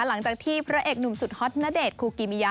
หลังจากที่พระเอกหนุ่มสุดฮอตณเดชนคูกิมิยะ